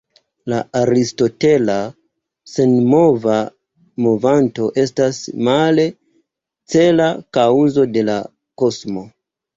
La aristotela senmova movanto estas, male, cela kaŭzo de la kosmo.